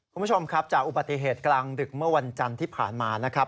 คุณผู้ชมครับจากอุบัติเหตุกลางดึกเมื่อวันจันทร์ที่ผ่านมานะครับ